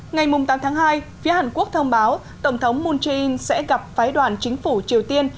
ngày tám tháng hai phía hàn quốc thông báo tổng thống moon jae in sẽ gặp phái đoàn chính phủ triều tiên